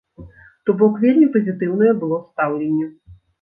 То бок вельмі пазітыўнае было стаўленне.